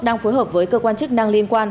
đang phối hợp với cơ quan chức năng liên quan